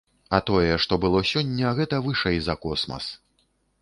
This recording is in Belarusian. А тое, што было сёння, гэта вышэй за космас.